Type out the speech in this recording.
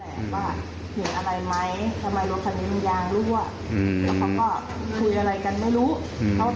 แล้วคอเอามาไว้ส่งมาบ้านเขาคนเดินผ่านเขาก็หลบ